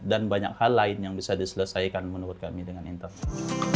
dan banyak hal lain yang bisa diselesaikan menurut kami dengan internet